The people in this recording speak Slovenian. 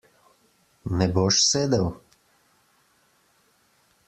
Ne boš sedel?